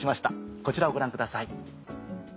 こちらをご覧ください。